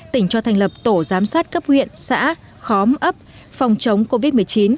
tỉnh cho thành lập tổ giám sát cấp huyện xã khóm ấp phòng chống covid một mươi chín